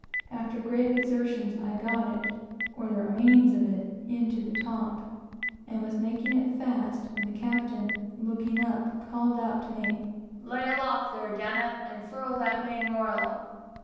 After great exertions I got it, or the remains of it, into the top, and was making it fast, when the captain, looking up, called out to me, "Lay aloft there, D , and furl that main royal."